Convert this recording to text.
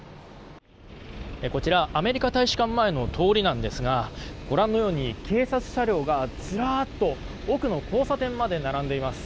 こちらアメリカ大使館前の通りなんですがご覧のように警察車両がずらっと奥の交差点まで並んでいます。